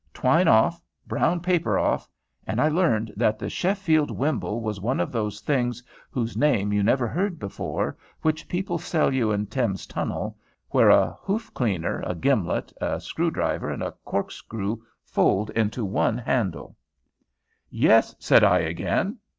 Twine off! brown paper off. And I learned that the "Sheffield wimble" was one of those things whose name you never heard before, which people sell you in Thames Tunnel, where a hoof cleaner, a gimlet, a screw driver, and a corkscrew fold into one handle. "Yes," said I, again.